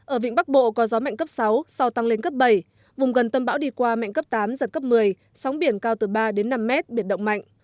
ở vịnh bắc bộ có gió mạnh cấp sáu sau tăng lên cấp bảy vùng gần tâm bão đi qua mạnh cấp tám giật cấp một mươi sóng biển cao từ ba đến năm mét biển động mạnh